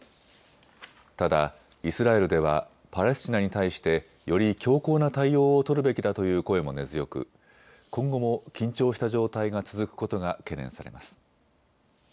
ただイスラエルではパレスチナに対してより強硬な対応を取るべきだという声も根強く今後も緊張した状態が続くことが懸念されます。